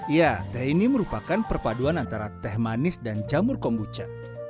ya teh ini merupakan perpaduan antara teh manis dan jamur kombucha